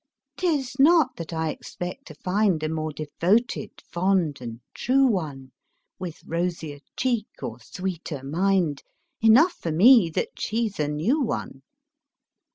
'Tis not that I expect to find A more devoted, fond and true one, With rosier cheek or sweeter mind Enough for me that she's a new one.